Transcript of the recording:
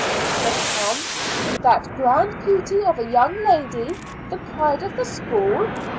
said Tom. "That grand beauty of a young lady, the pride of the school?